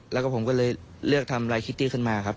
แล้วก็ผมก็เลยเลือกทำลายคิตตี้ขึ้นมาครับ